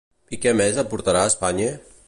I què més aportarà Espanya?